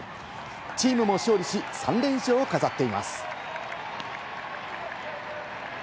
チームも勝利し、３連勝を飾っています。